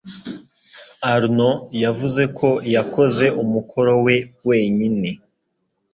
Arnaud yavuze ko yakoze umukoro we wenyine.